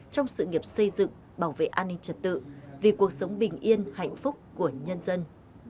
trong sự nghiệp xây dựng bảo vệ an ninh trật tự vì cuộc sống bình yên hạnh phúc của nhân dân